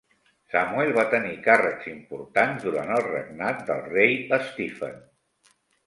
Samuel va tenir càrrecs importants durant el regnat del rei Stephen.